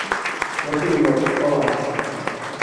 Tokkirizibwa kufuka wano.